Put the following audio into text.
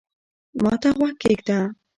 ما ته غوږ کېږده